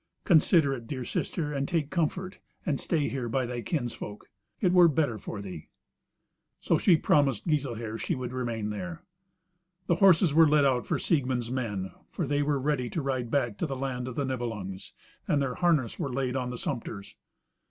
Consider it, dear sister, and take comfort and stay here by thy kinsfolk. It were better for thee." So she promised Giselher she would remain there. The horses were led out for Siegmund's men, for they were ready to ride back to the land of the Nibelungs; and their harness was laid on the sumpters.